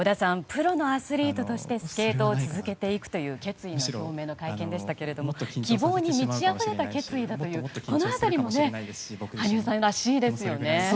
プロのアスリートとしてスケートを続けていくという決意の表明の会見でしたけれど希望に満ちあふれた決意だというこの辺りも羽生さんらしいですよね。